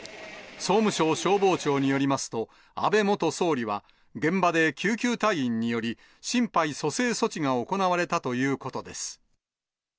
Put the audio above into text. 総務省消防庁によりますと、安倍元総理は、現場で救急隊員により、心肺蘇生措置が行われたということです。